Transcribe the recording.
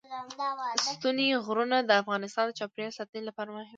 ستوني غرونه د افغانستان د چاپیریال ساتنې لپاره مهم دي.